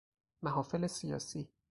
محافل سیاسی